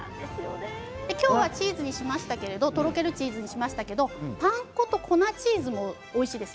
今日はチーズにしましたけれども、とろけるチーズにしましたけれども、パン粉と粉チーズもおいしいです。